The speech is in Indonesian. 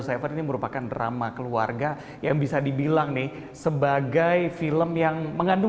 tujuh ini merupakan drama keluarga yang bisa dibilang nih sebagai film yang mengandung